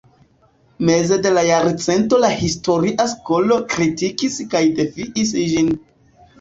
Meze de la jarcento la historia skolo kritikis kaj defiis ĝin.